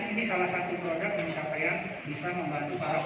karena pada saat ini programnya adalah kita mendesain kemasan dan akses pasar